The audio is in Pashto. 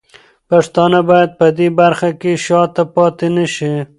پښتانه باید په دې برخه کې شاته پاتې نه شي.